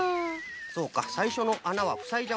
そうかさいしょのあなはふさいじゃうんじゃな。